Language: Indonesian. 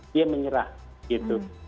dia menyerah gitu